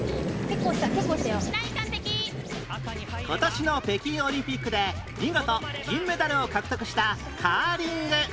今年の北京オリンピックで見事銀メダルを獲得したカーリング